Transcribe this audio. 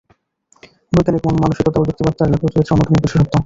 বৈজ্ঞানিক মানসিকতা ও যুক্তিবাদ তার লেখক চরিত্রের অন্যতম বিশেষত্ব।